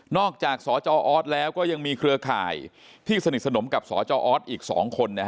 อกจากสจออสแล้วก็ยังมีเครือข่ายที่สนิทสนมกับสจออสอีก๒คน